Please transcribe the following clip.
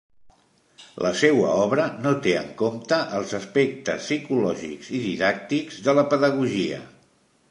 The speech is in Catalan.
La seua obra no té en compte els aspectes psicològics i didàctics de la pedagogia.